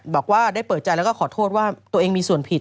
บอกว่าได้เปิดใจแล้วก็ขอโทษว่าตัวเองมีส่วนผิด